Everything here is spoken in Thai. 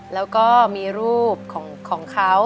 แล้วก็มีรูปของเขา